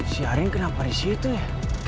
si arin kenapa di situ ya